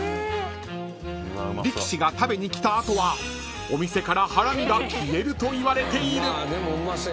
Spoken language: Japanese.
［力士が食べにきた後はお店からハラミが消えるといわれている］